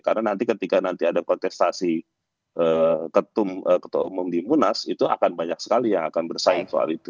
karena nanti ketika nanti ada kontestasi ketua umum di imbunas itu akan banyak sekali yang akan bersaing soal itu